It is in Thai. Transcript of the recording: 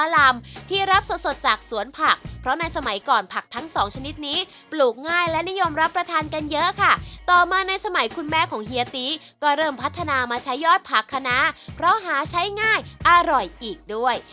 ลำที่รับสดจากสวนผักเพราะในสมัยก่อนผักทั้งสองชนิดนี้ปลูกง่ายและนิยมรับประทานกันเยอะค่ะต่อมาในสมัยคุณแม่ของเฮียตีก็เริ่มพัฒนามาใช้ยอดผักคณะเพราะหาใช้ง่ายอร่อยอีกด้วย